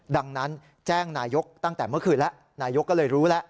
ดังนั้นแจ้งนายกตั้งแต่เมื่อคืนแล้วนายกก็เลยรู้แล้ว